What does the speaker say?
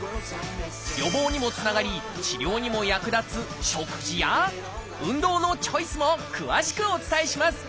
予防にもつながり治療にも役立つ食事や運動のチョイスも詳しくお伝えします。